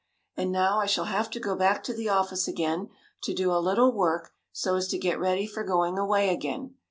"And now I shall have to go back to the office again, to do a little work so as to get ready for going away again.